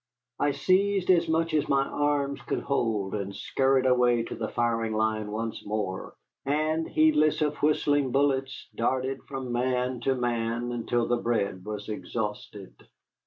I seized as much as my arms could hold and scurried away to the firing line once more, and, heedless of whistling bullets, darted from man to man until the bread was exhausted.